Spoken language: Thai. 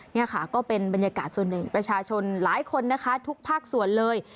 นี่ค่ะก็เป็นบรรยากาศส่วนหนึ่งประชาชนหลายคนนะคะทุกภาคส่วนเลย